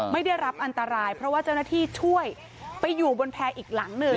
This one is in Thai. ไม่ได้รับอันตรายเพราะว่าเจ้าหน้าที่ช่วยไปอยู่บนแพร่อีกหลังหนึ่ง